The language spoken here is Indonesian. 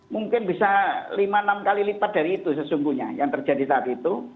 mungkin bisa lima enam kali lipat dari itu sesungguhnya yang terjadi saat itu